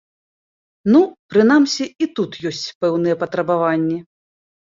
Ну, прынамсі і тут ёсць пэўныя патрабаванні.